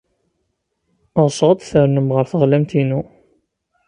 Ɣseɣ ad d-ternum ɣer teɣlamt-inu.